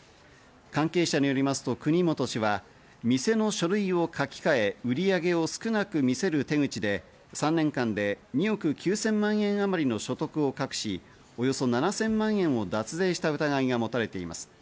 関係者によりますと、国本氏は店の書類を書き換え、売上を少なく見せる手口で３年間で２億９０００万円あまりの所得を隠し、およそ７０００万円を脱税した疑いが持たれています。